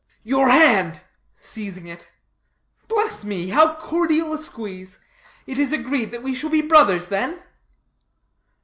"Your hand!" seizing it. "Bless me, how cordial a squeeze. It is agreed we shall be brothers, then?"